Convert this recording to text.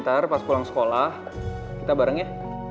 ntar pas pulang sekolah kita bareng ya